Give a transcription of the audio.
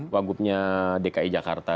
wagupnya dki jakarta